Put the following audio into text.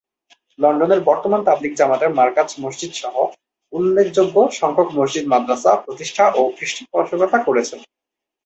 লন্ডনের বর্তমান তাবলিগ জামাতের মারকাজ মসজিদ সহ উল্লেখযোগ্য সংখ্যক মসজিদ-মাদ্রাসা প্রতিষ্ঠা ও পৃষ্ঠপোষকতা করেছেন।